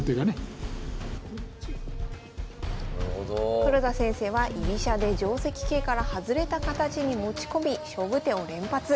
黒田先生は居飛車で定跡形から外れた形に持ち込み勝負手を連発。